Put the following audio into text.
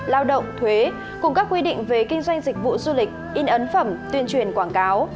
lao động thuế cùng các quy định về kinh doanh dịch vụ du lịch in ấn phẩm tuyên truyền quảng cáo